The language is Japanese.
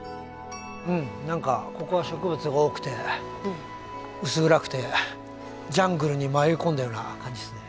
うん何かここは植物が多くて薄暗くてジャングルに迷い込んだような感じですね。